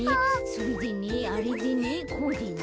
それでねあれでねこうでね。